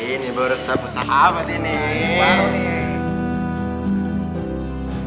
ini baru sahabat ini